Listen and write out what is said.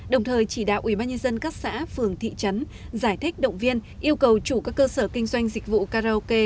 đồng thời chỉ đạo ubnd các xã phường thị trấn giải thích động viên yêu cầu chủ các cơ sở kinh doanh dịch vụ karaoke